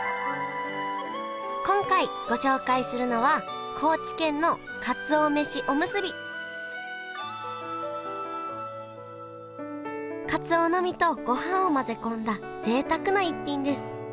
今回ご紹介するのはかつおの身とごはんを混ぜ込んだぜいたくな逸品です。